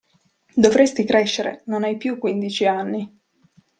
Dovresti crescere, non hai più quindici anni!